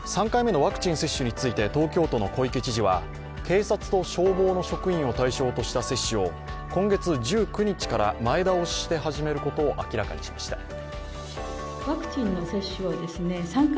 ３回目のワクチン接種について東京都の小池知事は、警察と消防の職員を対象とした接種を今月１９日から前倒しして始めることを明らかにしました。